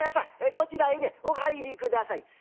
こちらにねお入り下さい」。